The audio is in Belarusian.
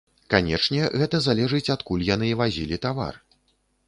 Канечне, гэта залежыць, адкуль яны вазілі тавар.